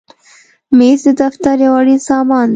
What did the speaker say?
مېز د دفتر یو اړین سامان دی.